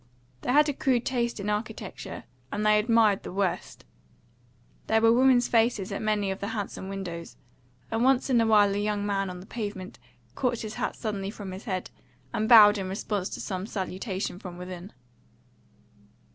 They had a crude taste in architecture, and they admired the worst. There were women's faces at many of the handsome windows, and once in a while a young man on the pavement caught his hat suddenly from his head, and bowed in response to some salutation from within.